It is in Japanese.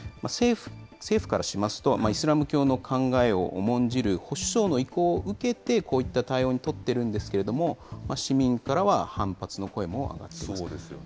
政府からしますと、イスラム教の考えを重んじる保守層の意向を受けて、こういった対応を取っているんですけれども、市民からは反発の声も上がっています。